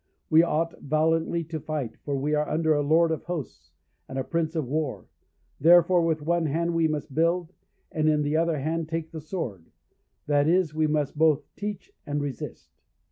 We ought valiantly to fight, for we are under a Lord of Hosts, and a Prince of War; therefore with one hand we must build, and in the other hand take the sword—that is, we must both teach and resist.